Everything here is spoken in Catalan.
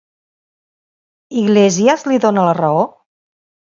Iglesias li dona la raó?